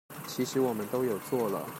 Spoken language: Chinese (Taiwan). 其實我們都有做了